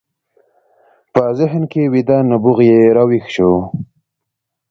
په ذهن کې ویده نبوغ یې راویښ شو